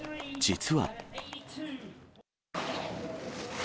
実は。